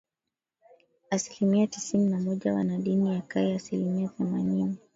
Asilimia tisini na moja wana dini na kai ya asilimia themanini